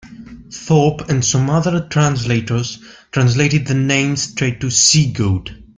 Thorpe and some other translators translated the name straight to "she-goat".